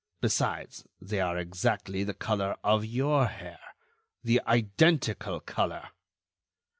Besides, they are exactly the color of your hair—the identical color."